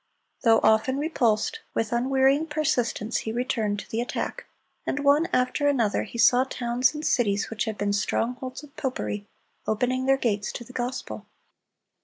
Though often repulsed, with unwearying persistence he returned to the attack; and one after another, he saw towns and cities which had been strongholds of popery, opening their gates to the gospel.